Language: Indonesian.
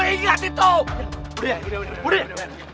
bole boleh boleh boleh